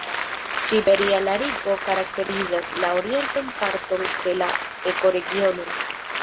Siberia lariko karakterizas la orientan parton de la ekoregiono.